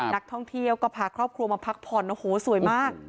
นักท่องเที่ยวก็พาครอบครัวมาพักผ่อนโอ้โหสวยมาก